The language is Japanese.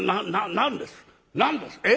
何です？え？